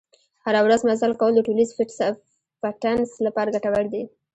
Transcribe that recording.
هره ورځ مزل کول د ټولیز فټنس لپاره ګټور دي.